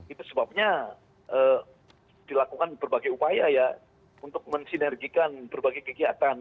itu sebabnya dilakukan berbagai upaya ya untuk mensinergikan berbagai kegiatan